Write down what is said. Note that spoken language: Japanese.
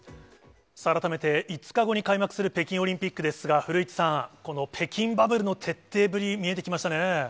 さあ、改めて５日後に開幕する北京オリンピックですが、古市さん、この北京バブルの徹底ぶり、見えてきましたね。